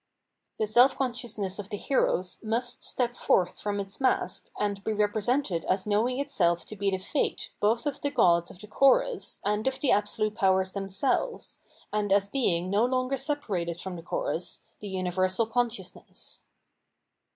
The seK"Consciousness of the heroes must step forth from its mask and be represented as knowing itself to be the fate both of the gods of the chorus and of the absolute powers themselves, and as being no longer separated from the chorus, the universal consciousness.